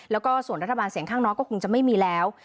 แล้วก็ส่วนรัฐบาลเสียงข้างน้อยก็คงจะไม่มีแล้ว